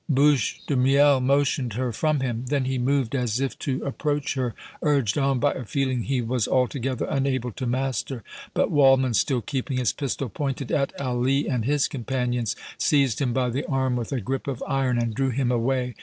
Bouche de Miel motioned her from him; then he moved as if to approach her, urged on by a feeling he was altogether unable to master; but Waldmann, still keeping his pistol pointed at Ali and his companions, seized him by the arm with a grip of iron and drew him away.